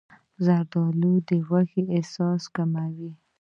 زردالو د لوږې احساس کموي.